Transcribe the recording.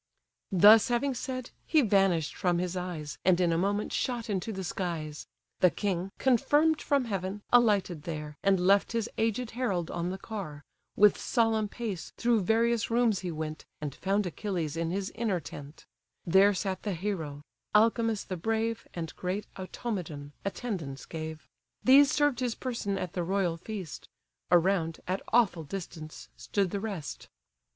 Thus having said, he vanish'd from his eyes, And in a moment shot into the skies: The king, confirm'd from heaven, alighted there, And left his aged herald on the car, With solemn pace through various rooms he went, And found Achilles in his inner tent: There sat the hero: Alcimus the brave, And great Automedon, attendance gave: These served his person at the royal feast; Around, at awful distance, stood the rest.